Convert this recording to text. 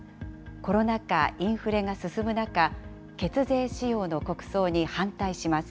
コロナ禍、インフレが進む中、血税使用の国葬に反対します。